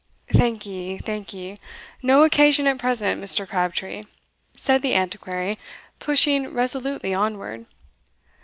"Thank ye, thank ye, no occasion at present, Mr. Crabtree," said the Antiquary, pushing resolutely onward.